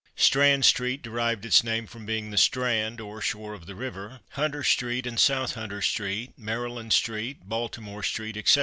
Strand street derived its name from being the strand or shore of the river. Hunter street and South Hunter street, Maryland street, Baltimore street, etc.